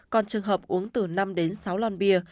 còn trường hợp uống từ năm sáu lon bia